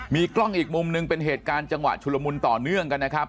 มีกล้องอีกมุมหนึ่งเป็นเหตุการณ์จังหวะชุลมุนต่อเนื่องกันนะครับ